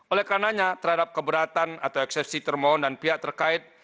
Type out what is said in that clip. oleh karenanya terhadap keberatan atau eksepsi termohon dan pihak terkait